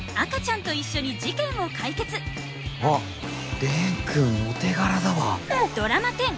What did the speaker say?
あっ蓮くんお手柄だわ。